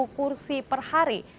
dari delapan kursi perhari